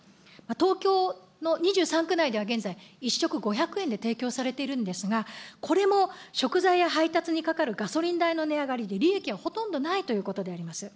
東京の２３区内では現在、１食５００円で提供されているんですが、これも食材や配達にかかるガソリン代の値上がりで、利益がほとんどないということであります。